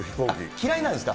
嫌いなんですか？